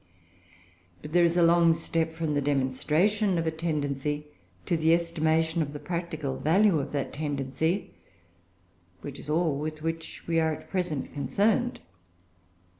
] But there is a long step from the demonstration of a tendency to the estimation of the practical value of that tendency, which is all with which we are at present concerned.